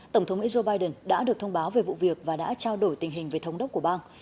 tổng thống israel biden đã được thông báo về vụ việc và đã trao đổi tình hình về thống đốc của bang